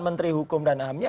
menteri hukum dan amnya